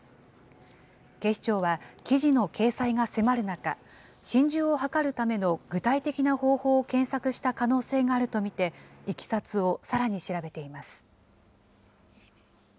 警視庁は記事の掲載が迫る中、心中を図るための具体的な方法を検索した可能性があると見て、いきさつをさらに調べています。